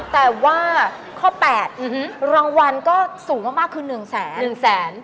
แต่ว่าข้อ๘รางวัลก็สูงมากคือ๑แสน๑แสน